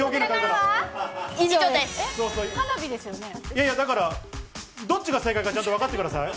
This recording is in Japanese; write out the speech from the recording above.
いや、だから、どっちが正解か、ちゃんと分かってください。